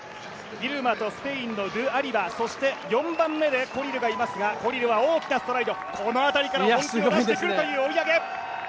ギルマとスペインのドゥ・アリバそして、４番目にコリルがいますがコリルは大きなストライドこの辺りからの追い上げ！